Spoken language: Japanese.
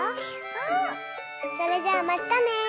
うん！それじゃあまったね！